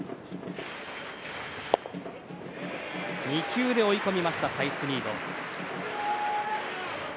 ２球で追い込みましたサイスニード。